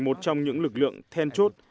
một trong những lực lượng then chốt